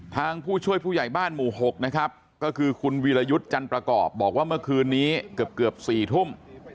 ผู้ช่วยผู้ใหญ่บ้านหมู่๖นะครับก็คือคุณวีรยุทธ์จันประกอบบอกว่าเมื่อคืนนี้เกือบ๔ทุ่ม